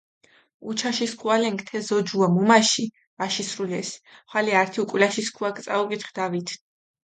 უჩაში სქუალენქ თე ზოჯუა მუმაში ვაშისრულეს, ხვალე ართი უკულაში სქუაქ წაუკითხჷ დავითნი.